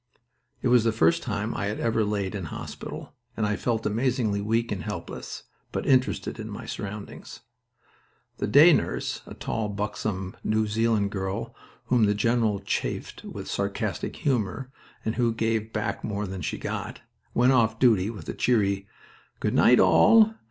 It was the first time I had ever laid in hospital, and I felt amazingly weak and helpless, but interested in my surroundings. The day nurse, a tall, buxom New Zealand girl whom the general chaffed with sarcastic humor, and who gave back more than she got, went off duty with a cheery, "Good night, all!"